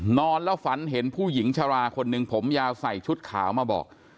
นอนแล้วฝันเห็นผู้หญิงชราคนหนึ่งผมยาวใส่ชุดขาวมาบอก